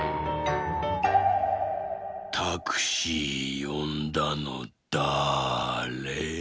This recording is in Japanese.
「タクシーよんだのだれ？